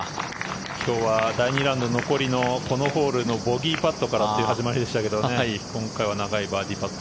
今日は第２ラウンド残りのこのホールのボギーパットからの始まりでしたけど今回は長いバーディーパット。